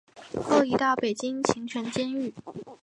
后移到北京秦城监狱。